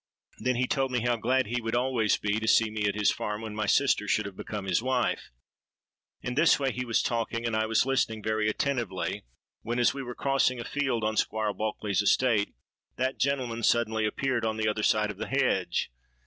Then he told me how glad he would always be to see me at his farm when my sister should have become his wife. In this way he was talking, and I was listening very attentively, when, as we were crossing a field on Squire Bulkeley's estate, that gentleman suddenly appeared on the other side of the hedge.